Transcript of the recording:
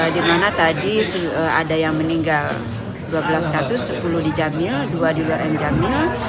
di mana tadi ada yang meninggal dua belas kasus sepuluh di jamil dua di luar m jamil